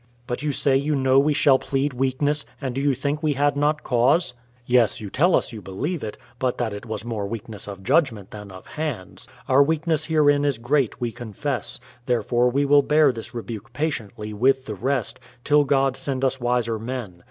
But you say you know we shall plead weakness ; and do you think we had not cause ? Yes, you tell THE PLYMOUTH SETTLEMENT 93 us you believe it — but that it was more weakness of judgment than of hands ! Our weakness herein is great, we confess ; therefore we will bear this rebuke patiently, with the rest, till God send us wiser men.